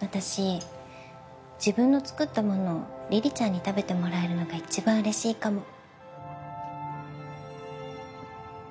私自分の作ったものを梨々ちゃんに食べてもらえるのがいちばんうれしいかも。